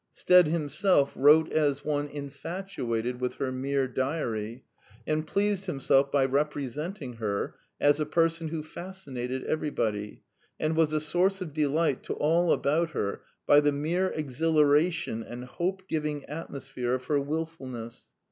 Stead himself wrote as one infatuated with her mere diary, and pleased himself by repre senting her as a person who fascinated everybody, and was a source of delight to all about her by the mere exhilaration and hope giving atmosphere of her wilfulness.